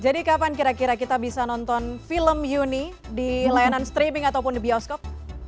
jadi kapan kira kira kita bisa nonton film yuni di layanan streaming ataupun di bioskop